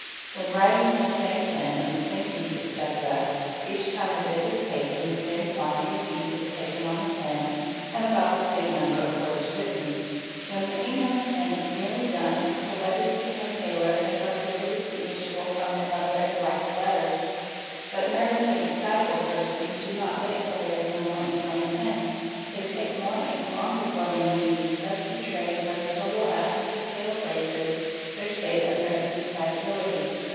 When writing with the same pen and it > same ink, etc., each time a dip is taken the same quantity of ink is en on the pen and about the same number of words written; when the 238 THE EXPERT ink on the pen is nearly done the letters become paler and are clearly — distinguishable from the other and blacker letters. But nervous and — excitable persons do not: wait till there is no more ink on the pen: they — take more ink long before they need, thus betraying by the total absence of pale places their state of nervous excitability.